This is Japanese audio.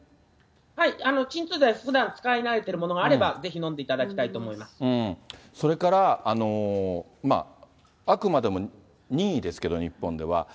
はい、鎮痛剤、ふだん使い慣れているものがあれば、ぜひ飲んでいただきたいと思それから、あくまでも任意ですけど、日本では。